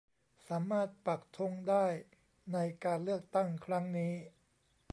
สามารถปักธงได้ในการเลือกตั้งครั้งนี้